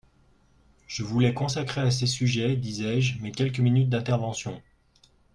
Je voulais consacrer à ces sujets, disais-je, mes quelques minutes d’intervention.